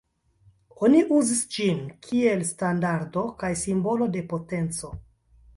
Oni uzis ĝin kiel standardo kaj simbolo de potenco.